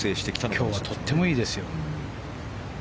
今日はとってもいいですよ。